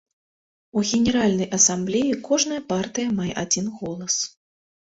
У генеральнай асамблеі кожная партыя мае адзін голас.